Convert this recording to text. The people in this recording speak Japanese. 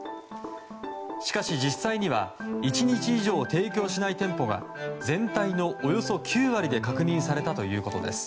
しかし実際には１日以上提供しない店舗が全体のおよそ９割で確認されたということです。